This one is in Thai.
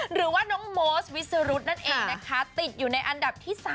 หรือว่าน้องโมสวิสรุธนั่นเองนะคะติดอยู่ในอันดับที่๓